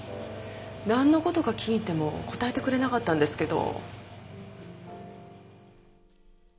何のことか聞いても答えてくれなかったんですけど。